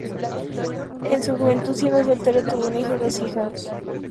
En su juventud, siendo soltero, tuvo un hijo y dos hijas.